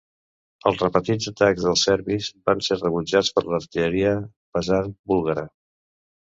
Els repetits atacs dels serbis van ser rebutjats per l'artilleria pesant búlgara.